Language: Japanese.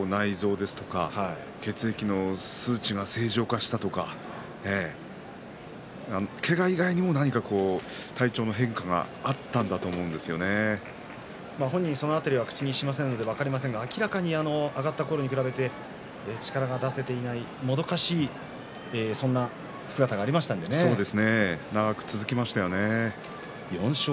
古傷の痛みもなくなったしもしかすると内臓ですとか血液の数値が正常化したとかけが以外にも何か体調の変化が本人が口にしないので分かりませんけれども明らかに上がったころに違って力が出せていないもどかしい、そんな姿がそうですね長く続きましたね。